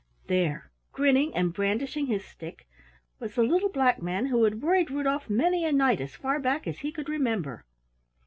There grinning and brandishing his stick was the Little Black Man who had worried Rudolf many a night as far back as he could remember.